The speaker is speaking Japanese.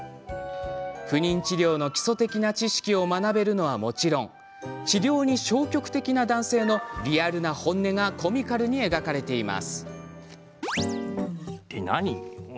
不妊治療の基礎的な知識を学べるのは、もちろん治療に消極的な男性のリアルな本音がコミカルに描かれています。